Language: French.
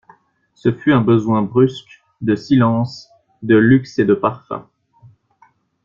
Ce fut un besoin brusque de silence, de luxe et de parfums.